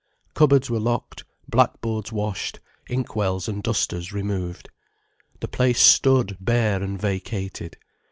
Cupboards were locked, blackboards washed, inkwells and dusters removed. The place stood bare and vacated.